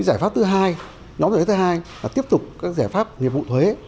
giải pháp thứ hai nhóm giải pháp thứ hai là tiếp tục các giải pháp nghiệp vụ thuế